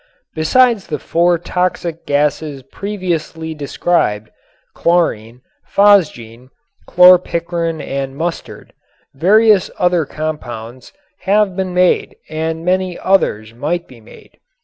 Besides the four toxic gases previously described, chlorine, phosgene, chlorpicrin and mustard, various other compounds have been and many others might be made.